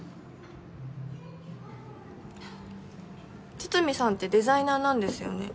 筒見さんってデザイナーなんですよね？